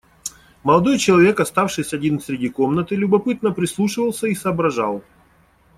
Молодой человек, оставшись один среди комнаты, любопытно прислушивался и соображал.